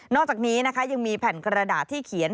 อกจากนี้นะคะยังมีแผ่นกระดาษที่เขียน